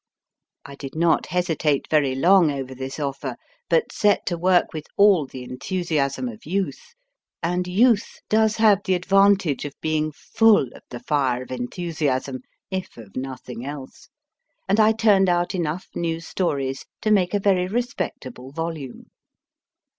I did not hesitate very long over this offer, but set to work with all the enthusiasm of youth and youth does have the advantage of being full of the fire of enthusiasm, if of nothing else and I turned out enough new stories to make a very respectable volume.